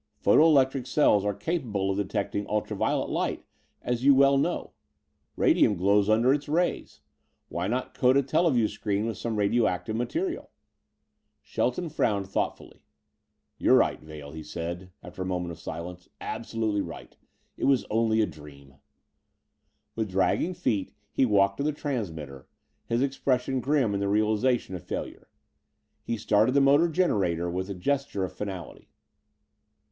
Photo electric cells are capable of detecting ultra violet light as you well know. Radium glows under its rays. Why not coat a teleview screen with some radio active material?" Shelton frowned thoughtfully. "You're right. Vail," he said, after a moment of silence; "absolutely right. It was only a dream." With dragging feet he walked to the transmitter, his expression grim in the realization of failure. He started the motor generator with a gesture of finality.